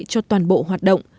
cho toàn bộ hoạt động